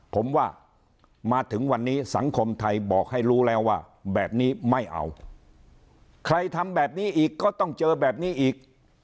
ผมว่ามาถึงวันนี้สังคมไทยบอกให้รู้แล้วว่าแบบนี้ไม่เอาใครทำแบบนี้อีกก็ต้องเจอแบบนี้อีก